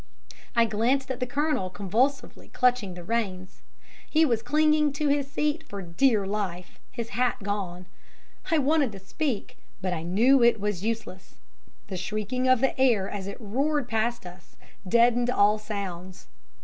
I glanced at the Colonel convulsively clutching the reins; he was clinging to his seat for dear life, his hat gone. I wanted to speak, but I knew it was useless the shrieking of the air as it roared past us deadened all sounds.